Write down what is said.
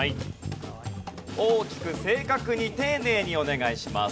大きく正確に丁寧にお願いします。